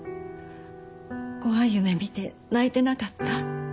怖い夢見て泣いてなかった？